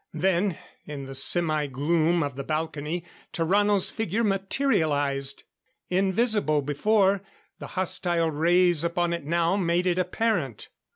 Then, in the semi gloom on the balcony, Tarrano's figure materialized. Invisible before, the hostile rays upon it now made it apparent.